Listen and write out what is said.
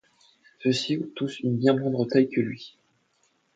Ceux-ci ont tous une bien moindre taille que lui.